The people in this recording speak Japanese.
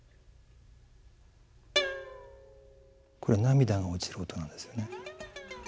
これは涙の落ちる音なんですよね。